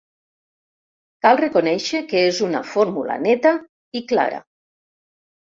Cal reconèixer que és una fórmula neta i clara.